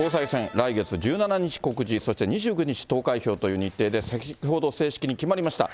来月１７日告示、そして２９日投開票という日程で、先ほど正式に決まりました。